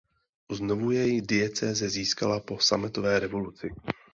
Znovu jej diecéze získala po Sametové revoluci.